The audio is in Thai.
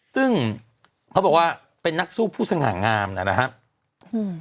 ซึ่งเขาบอกว่าเป็นนักสู้ผู้สง่างามนะครับอืม